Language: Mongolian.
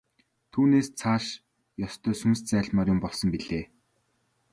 Түүнээс цааш ёстой сүнс зайлмаар юм болсон билээ.